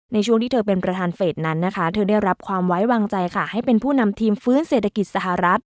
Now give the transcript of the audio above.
ในช่วงที่เธอเป็นประธานเฟสนั้นนะคะเธอได้รับความไว้วางใจค่ะให้เป็นผู้นำทีมฟื้นเศรษฐกิจสหรัฐ